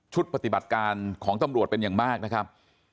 ปฏิบัติการของตำรวจเป็นอย่างมากนะครับ